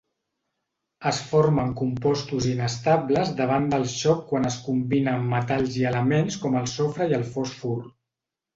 Es formen compostos inestables davant del xoc quan es combina amb metalls i elements com el sofre i el fòsfor.